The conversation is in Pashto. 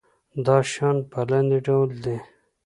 دا شیان په لاندې ډول دي.